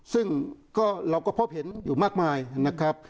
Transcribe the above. ซึ่งเราก็พบเห็นอยู่มากมายนะครับ